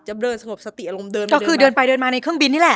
เดินสงบสติอารมณ์เดินมาก็คือเดินไปเดินมาในเครื่องบินนี่แหละ